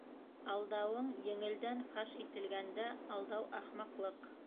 Алдауың еңелдән фаш ителгәндә, алдау ахмаҡлыҡ!